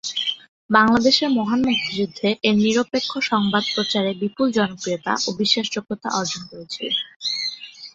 বাংলাদেশের মহান মুক্তিযুদ্ধে এর নিরপেক্ষ সংবাদ প্রচারে বিপুল জনপ্রিয়তা ও বিশ্বাসযোগ্যতা অর্জন করেছিল।